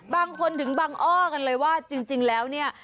บางคนถึงบังอ้อกันเลยว่าจริงแล้วเนี่ย